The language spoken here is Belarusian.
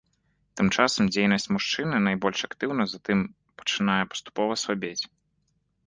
Тым часам дзейнасць мужчыны найбольш актыўна, затым пачынае паступова слабець.